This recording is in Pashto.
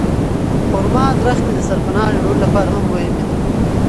خورما ونې د سرپناه جوړولو لپاره هم مهمې دي.